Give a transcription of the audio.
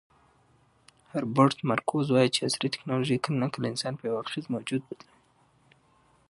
هربرت مارکوز وایي چې عصري ټیکنالوژي کله ناکله انسان په یو اړخیز موجود بدلوي.